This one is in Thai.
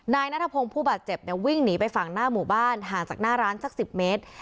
นายนัทพงศ์ผู้บาดเจ็บเนี่ยวิ่งหนีไปฝั่งหน้าหมู่บ้านห่างจากหน้าร้านสัก๑๐เมตร